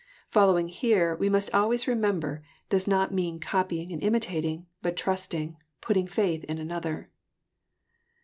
Fol lowing here, we must always remember, does not mean copying and imitating, but trusting, putting faith in another.